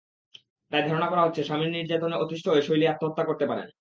তাই ধারণা করা হচ্ছে, স্বামীর নির্যাতনে অতিষ্ঠ হয়ে শৈলী আত্মহত্যা করতে পারেন।